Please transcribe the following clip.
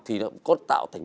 thì nó có tạo thành